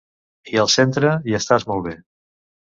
I al centre, hi estàs molt bé.